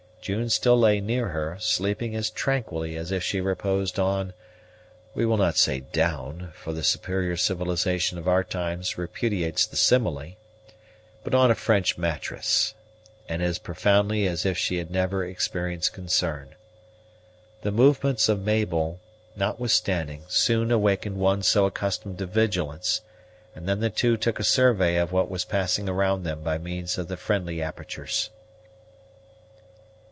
June still lay near her, sleeping as tranquilly as if she reposed on we will not say "down," for the superior civilization of our own times repudiates the simile but on a French mattress, and as profoundly as if she had never experienced concern. The movements of Mabel, notwithstanding, soon awakened one so accustomed to vigilance; and then the two took a survey of what was passing around them by means of the friendly apertures.